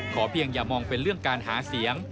เพียงอย่ามองเป็นเรื่องการหาเสียง